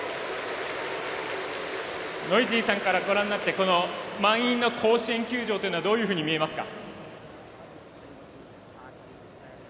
ノイジーさんからご覧になってこの満員の甲子園球場というのはどういうふうに見えますか？